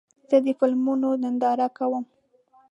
زه د فلمونو ننداره کوم.